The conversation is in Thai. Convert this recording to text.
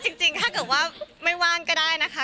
จริงถ้าเกิดว่าไม่ว่างก็ได้นะคะ